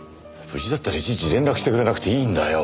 無事だったらいちいち連絡してくれなくていいんだよ。